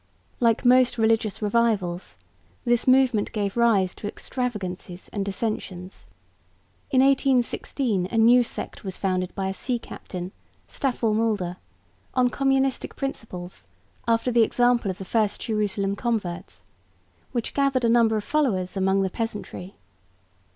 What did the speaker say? Like most religious revivals, this movement gave rise to extravagancies and dissensions. In 1816 a new sect was founded by a sea captain, Staffel Mulder, on communistic principles after the example of the first Jerusalem converts, which gathered a number of followers among the peasantry.